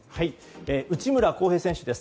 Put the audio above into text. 内村航平選手です。